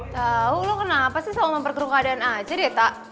tau lo kenapa sih selalu memperkeruk keadaan ajar ya tak